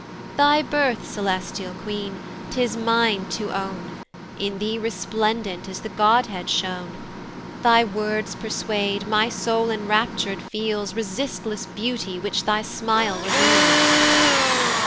"Thy birth, coelestial queen! 'tis mine to own, "In thee resplendent is the Godhead shown; "Thy words persuade, my soul enraptur'd feels "Resistless beauty which thy smile reveals."